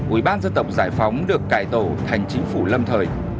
ubgt giải phóng được cải tổ thành chính phủ lâm thời